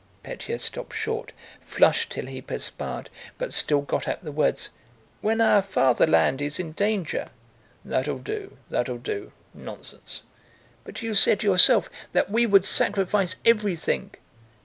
Pétya stopped short, flushed till he perspired, but still got out the words, "when our Fatherland is in danger." "That'll do, that'll do—nonsense...." "But you said yourself that we would sacrifice everything."